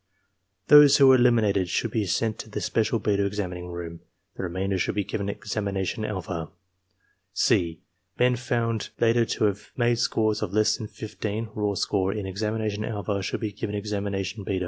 Those who are eliminated should be sent to the special beta examining room; the remainder should be given examination alpha. (c) Men found later to have made scores of less than 15 (raw score) in examination alpha should be given examination beta.